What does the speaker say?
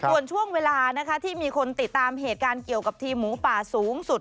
ส่วนช่วงเวลานะคะที่มีคนติดตามเหตุการณ์เกี่ยวกับทีมหมูป่าสูงสุด